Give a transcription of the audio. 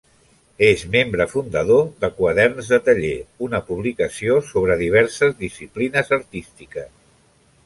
És membre fundador de Quaderns de Taller, una publicació sobre diverses disciplines artístiques.